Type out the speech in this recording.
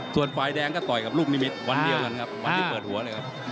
ส่วนฝ่ายแดงก็ต่อยกับลูกนิมิตวันเดียวกันครับวันที่เปิดหัวเลยครับ